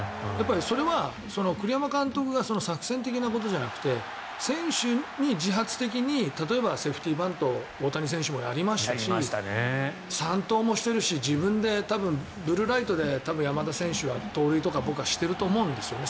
それは、栗山監督が作戦的なことじゃなくて選手に自発的に例えば、セーフティーバントを大谷選手もやりましたし三盗もしているし、自分でブルーライトで山田投手は盗塁とかしていると思うんですよね